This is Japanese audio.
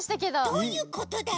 どういうことだろう？